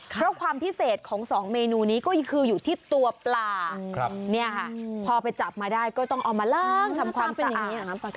เพราะความพิเศษของสองเมนูนี้ก็คืออยู่ที่ตัวปลาพอไปจับมาได้ก็ต้องเอามาล้างทำความเป็นอย่างนี้